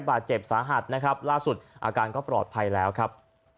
บาดเจ็บสาหัสนะครับล่าสุดอาการก็ปลอดภัยแล้วครับ